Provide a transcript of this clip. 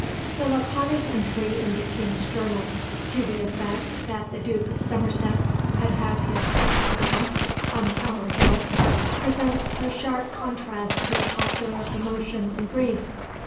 The laconic entry in the King's journal, to the effect that the Duke of Somerset had had his head cut off on Tower Hill, presents a sharp contrast to the popular emotion and grief.